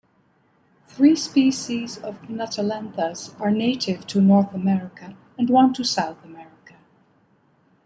Three species of "Nuttallanthus" are native to North America and one to South America.